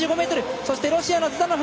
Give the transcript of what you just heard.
そしてロシアのヅダノフ